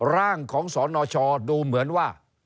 ร่างของสนชดูเหมือนว่า